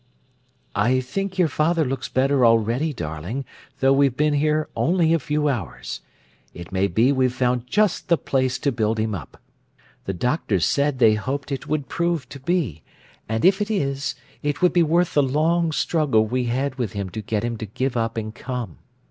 I think your father looks better already, darling, though we've been here only a few hours. It may be we've found just the place to build him up. The doctors said they hoped it would prove to be, and if it is, it would be worth the long struggle we had with him to get him to give up and come.